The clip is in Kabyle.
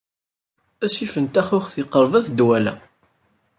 Asif n taxuxt yeqṛeb at Dwala.